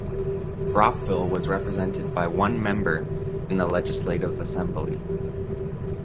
Brockville was represented by one member in the Legislative Assembly.